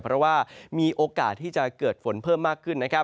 เพราะว่ามีโอกาสที่จะเกิดฝนเพิ่มมากขึ้นนะครับ